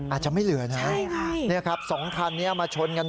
อาจจะไม่เหลือนะฮะนี่ครับ๒คันนี้มาชนกัน